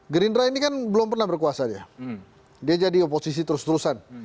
gerindra ini kan belum pernah berkuasa dia dia jadi oposisi terus terusan